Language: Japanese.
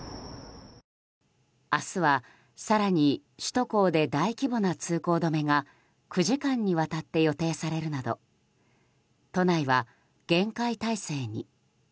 明日は更に首都高で大規模な通行止めが９時間にわたって予定されるなど都内は厳戒態勢に。